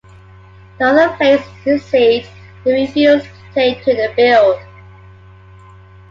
The other players intercede and then refuse to take to the field.